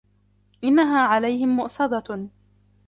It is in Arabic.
إِنَّهَا عَلَيْهِمْ مُؤْصَدَةٌ